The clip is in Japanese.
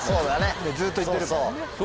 ずっと言ってるもんね。